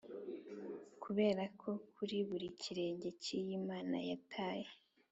kuberako kuri buri kirenge cyiyi mana yataye